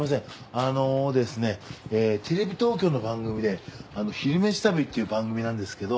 あのですねテレビ東京の番組で「昼めし旅」っていう番組なんですけど。